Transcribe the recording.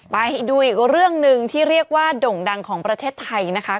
ไปดูอีกเรื่องหนึ่งที่เรียกว่าด่งดังของประเทศไทยนะคะ